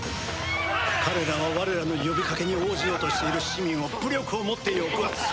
彼らは我らの呼びかけに応じようとしている市民を武力をもって抑圧。